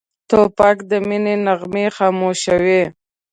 توپک د مینې نغمې خاموشوي.